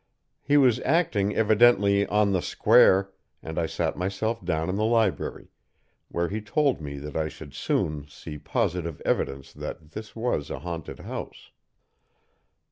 He was acting evidently 'on the square,' and I sat myself down in the library, where he told me that I should soon see positive evidence that this was a haunted house.